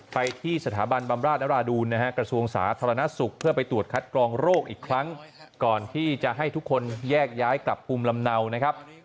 ไปที่สถาบันบำราชนราดูนนะฮะกระทรวงสาธารณสุขเพื่อไปตรวจคัดกรองโรคอีกครั้งก่อนที่จะให้ทุกคนแยกย้ายกลับภูมิลำเนานะครับ